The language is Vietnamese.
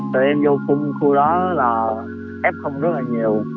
tụi em vô khung khu đó là ép không rất là nhiều